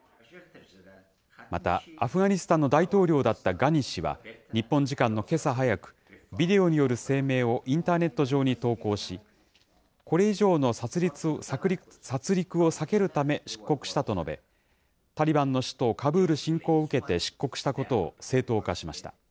また、アフガニスタンの大統領だったガニ氏は、日本時間のけさ早く、ビデオによる声明をインターネット上に投稿し、これ以上の殺りくを避けるため出国したと述べ、タリバンの首都カブール進攻を受けて出国したことを正当化しました。